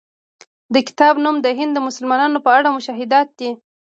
د کتاب نوم د هند د مسلمانانو په اړه مشاهدات دی.